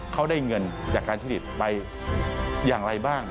เขาได้เงินจากการทุจริตไปอย่างไรบ้าง